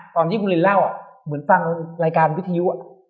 ตอนที่คุณลินเล่าเหมือนฟังรายการวิทยุ